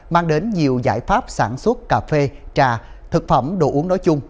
mang đến nhiều giải pháp sản xuất cà phê trà thực phẩm đồ uống nói chung